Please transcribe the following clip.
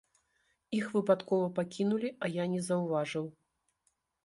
Іх выпадкова пакінулі, а я не заўважыў.